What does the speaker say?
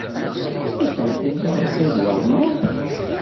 Ur teɛqileḍ ara Saɛid Waɛmaṛ?